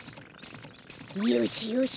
よしよし